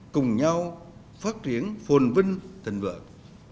cùng nhau phát triển phồn vinh tình vợn